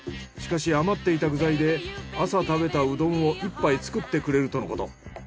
しかし余っていた具材で朝食べたうどんを１杯作ってくれるとのこと。